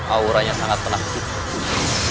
auranya sangat tenang